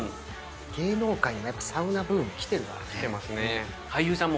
芸能界にやっぱ、サウナブームききてますね。